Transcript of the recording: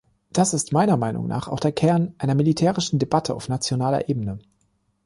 Das ist meiner Meinung nach auch der Kern einer militärischen Debatte auf nationaler Ebene.